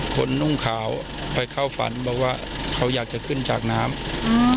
นุ่งขาวไปเข้าฝันบอกว่าเขาอยากจะขึ้นจากน้ำอืม